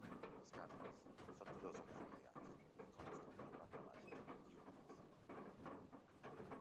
Les cases són totes unifamiliars i consten d'una planta baixa i un pis.